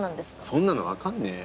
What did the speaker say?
そんなの分かんねえよ。